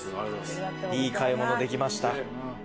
いい買い物できました。